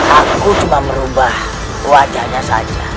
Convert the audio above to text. aku cuma merubah wajahnya saja